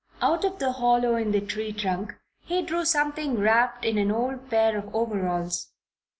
Out of the hollow in the tree trunk he drew something wrapped in an old pair of overalls.